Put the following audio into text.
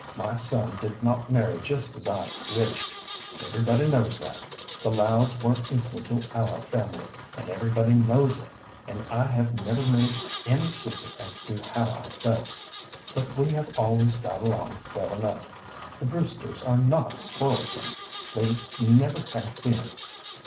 My son did not marry just as I wished; everybody knows that; the Louds weren't equal to our family, and everybody knows it, and I have never made any secret as to how I felt, but we have always got along well enough. The Brewsters are not quarrelsome; they never have been.